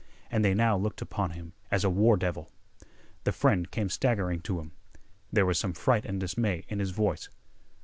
And they now looked upon him as a war devil. The friend came staggering to him. There was some fright and dismay in his voice.